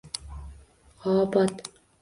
— Obod.